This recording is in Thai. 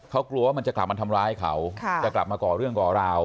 เขากลัวว่ามันจะกลับมาทำร้ายเขาจะกลับมาก่อเรื่องก่อราว